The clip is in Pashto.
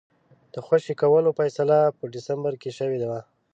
د خوشي کولو فیصله په ډسمبر کې شوې وه.